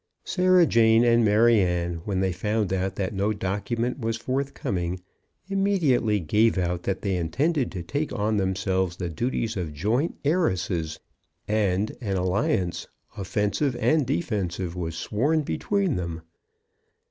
Sarah Jane and Maryanne, when they found that no document was forthcoming, immediately gave out that they intended to take on themselves the duties of joint heiresses, and an alliance, offensive and defensive, was sworn between them.